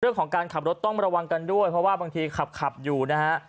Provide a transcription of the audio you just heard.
ขับรถต้องระวังกันด้วยเพราะว่าบางทีขับอยู่นะฮะ